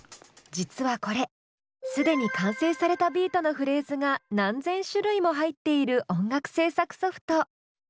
実はこれ既に完成されたビートのフレーズが何千種類も入っている音楽制作ソフト。